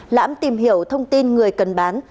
lãm tìm hiểu thông tin người cần bán